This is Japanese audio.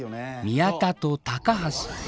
宮田と高橋。